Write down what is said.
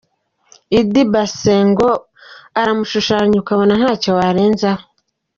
Idi Basengo aramushushanya ukabona ntacyo warenzaho.